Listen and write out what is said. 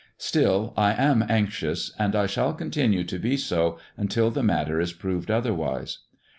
Still, I am anxious, and I shall continue to be so until the matter is proved otherwise.